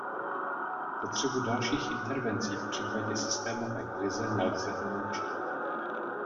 Potřebu dalších intervencí v případě systémové krize nelze vyloučit.